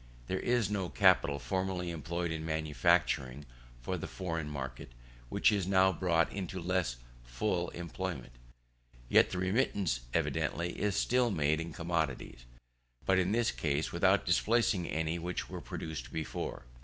There is no capital, formerly employed in manufacturing for the foreign market, which is now brought into less full employment. Yet the remittance evidently is still made in commodities, but in this case without displacing any which were produced before.